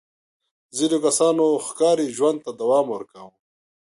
ځینو کسانو ښکاري ژوند ته دوام ورکاوه.